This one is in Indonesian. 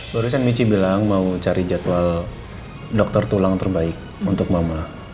barusan michi bilang mau cari jadwal dokter tulang terbaik untuk mama